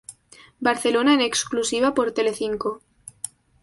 Barcelona en exclusiva por Telecinco.